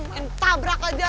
main tabrak aja